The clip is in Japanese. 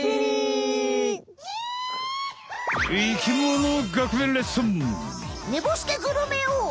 生きもの学園レッスン！